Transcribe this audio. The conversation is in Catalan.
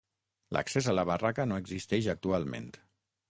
L'accés a la barraca no existeix actualment.